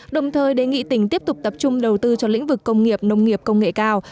đồng thời đề nghị tỉnh tiếp tục tập trung đầu tư cho lĩnh vực công nghiệp nông nghiệp công nghệ cao